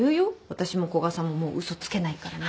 私も古賀さんももう嘘つけないからね。